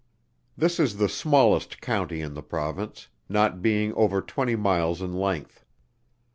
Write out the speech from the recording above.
This is the smallest County in the Province, not being over twenty miles in length.